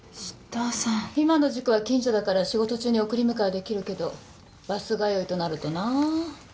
今の塾は近所だから仕事中に送り迎えできるけどバス通いとなるとなぁ。